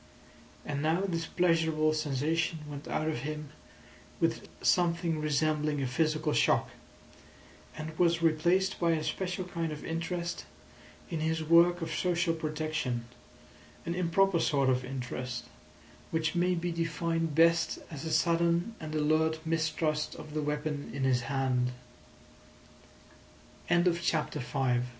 And now this pleasurable sensation went out of him with something resembling a physical shock, and was replaced by a special kind of interest in his work of social protection—an improper sort of interest, which may be defined best as a sudden and alert mistrust of the weapon in his hand. CHAPTER VI The lady